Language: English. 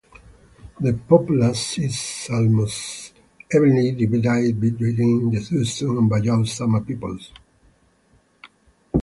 The populace is almost evenly divided between the Dusun and Bajau Sama peoples.